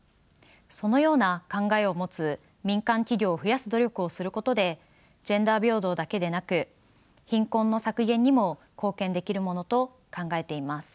そのような考えを持つ民間企業を増やす努力をすることでジェンダー平等だけでなく貧困の削減にも貢献できるものと考えています。